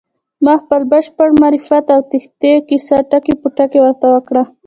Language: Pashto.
ما خپل بشپړ معرفت او تېښتې کيسه ټکی په ټکی ورته وکړه.